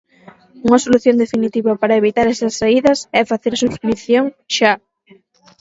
Unha solución definitiva para evitar esas saídas é facer a subscrición xa!